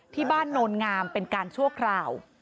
ที่บ้านโน่นงามเป็นการชั่วคราว